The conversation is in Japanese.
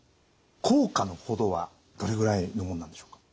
効果の程はどれぐらいのもんなんでしょうか？